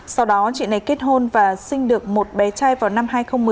sau đó chị này kết hôn và sinh được một bé trai vào năm hai nghìn một mươi